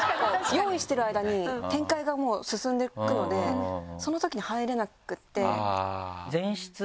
用意してる間に展開がもう進んでいくのでそのときに入れなくて。